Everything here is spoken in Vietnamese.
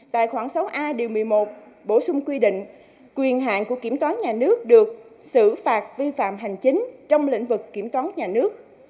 tại khoảng sáu a điều một mươi một bổ sung quy định quyền hạn của kiểm toán nhà nước được xử phạt vi phạm hành chính trong lĩnh vực kiểm toán nhà nước